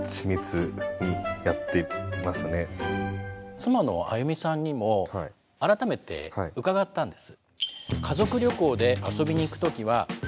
妻のあゆみさんにも改めて伺ったんです。